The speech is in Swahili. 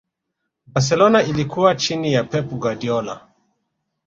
barcelona ilikuwa chini ya pep guardiola